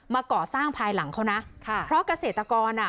มาก่อสร้างภายหลังเขานะค่ะเพราะเกษตรกรอ่ะ